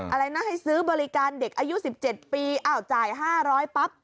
อะไรนะให้ซื้อบริการเด็กอายุสิบเจ็ดปีอ้าวจ่ายห้าร้อยปั๊บ